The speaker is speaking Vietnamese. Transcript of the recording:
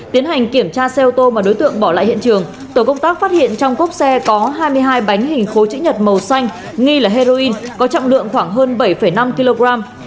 tiến hành kiểm tra xe ô tô mà đối tượng bỏ lại hiện trường tổ công tác phát hiện trong cốp xe có hai mươi hai bánh hình khối chữ nhật màu xanh nghi là heroin có trọng lượng khoảng hơn bảy năm kg